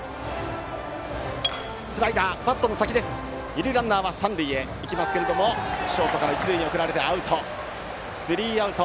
二塁ランナーは三塁へ行きましたがショートから一塁に送られてスリーアウト。